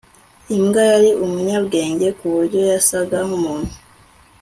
Imbwa yari umunyabwenge kuburyo yasaga nkumuntu